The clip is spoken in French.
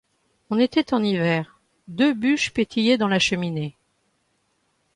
On était en hiver ; deux bûches pétillaient dans la cheminée.